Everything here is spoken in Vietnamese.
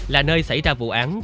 là nơi xảy ra vụ án